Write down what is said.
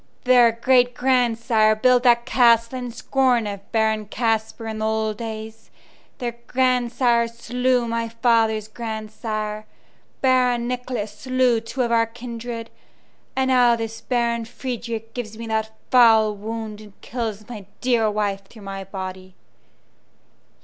Their great grandsire built that castle in scorn of Baron Casper in the old days; their grandsire slew my father's grandsire; Baron Nicholas slew two of our kindred; and now this Baron Frederick gives me that foul wound and kills my dear wife through my body."